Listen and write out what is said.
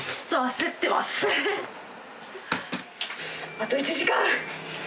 あと１時間！